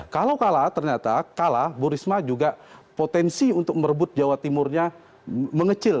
kalau kalah ternyata kalah bu risma juga potensi untuk merebut jawa timurnya mengecil